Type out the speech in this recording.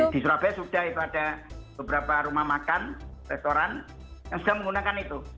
di surabaya sudah ada beberapa rumah makan restoran yang sudah menggunakan itu